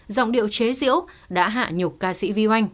giọng điệu chế diễu đã hạ nhục ca sĩ vi oanh